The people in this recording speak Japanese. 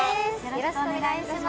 よろしくお願いします。